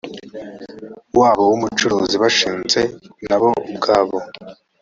wabo w ubucuruzi bashinze na bo ubwabo